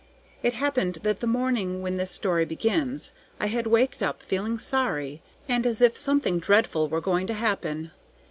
It happened that the morning when this story begins I had waked up feeling sorry, and as if something dreadful were going to happen.